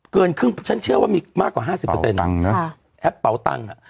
เกินครึ่งฉันเชื่อมีมีมากกว่า๕๐แอปเป่าตังอ่ะ